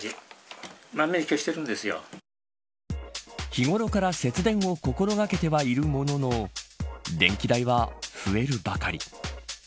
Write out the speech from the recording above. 日頃から節電を心掛けてはいるものの電気代は増えるばかり。